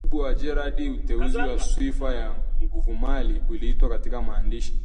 Kwa mujibu wa Gerard Utenzi wa Swifa ya Nguvumali ulitiwa katika maandishi